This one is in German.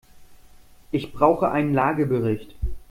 Ich brauche einen Lagebericht.